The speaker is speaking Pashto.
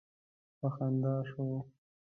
په خندا شو.